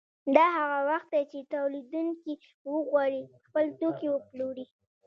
دا هغه وخت دی چې تولیدونکي وغواړي خپل توکي وپلوري